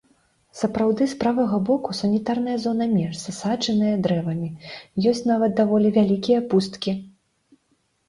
Сапраўды, з правага боку санітарная зона менш засаджаная дрэвамі, ёсць нават даволі вялікія пусткі.